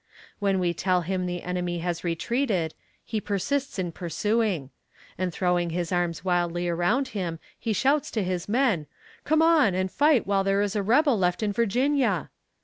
When we tell him the enemy has retreated, he persists in pursuing; and throwing his arms wildly around him he shouts to his men 'Come on and fight while there is a rebel left in Virginia!'